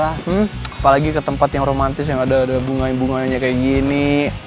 apalagi ke tempat yang romantis yang ada bunga bunganya kayak gini